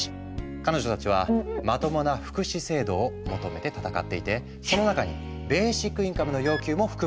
彼女たちはまともな福祉制度を求めて闘っていてその中にベーシックインカムの要求も含まれていたんだ。